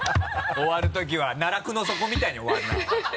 終わるときは奈落の底みたいに終わるなおい。